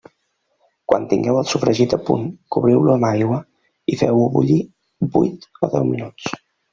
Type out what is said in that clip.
Quan tingueu el sofregit a punt, cobriu-lo amb aigua i feu-ho bullir vuit o deu minuts.